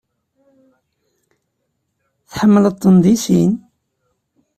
Tḥemmleḍ-ten deg sin.